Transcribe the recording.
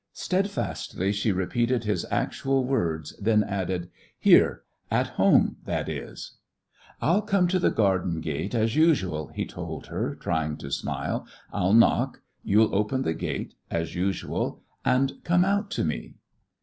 Steadfastly she repeated his actual words, then added: "Here; at home that is." "I'll come to the garden gate as usual," he told her, trying to smile. "I'll knock. You'll open the gate as usual and come out to me."